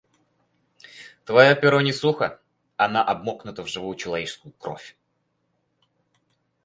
Твое перо не сухо — оно обмокнуто в живую человеческую кровь.